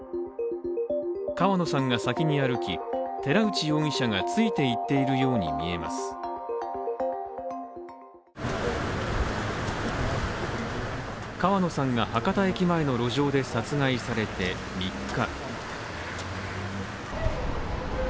川野さんが先に歩き、寺内容疑者がついていっているように見えます川野さんが博多駅前の路上で殺害されて、３日。